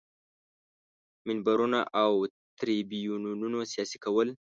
منبرونو او تریبیونونو سیاسي کول.